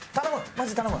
マジで頼む！